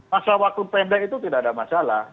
masa waktu pendek itu tidak ada masalah